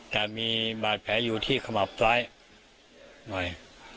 แต่มีบาดแผลอยู่ที่ขมับซ้ายหน่อย